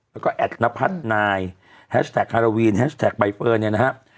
แล้วก็แอดนพัฒน์นายแฮชแท็กฮาราวีนแฮชแท็กใบเฟิร์นเนี่ยนะครับ